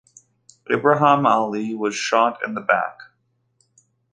Ibrahim Ali was shot in the back.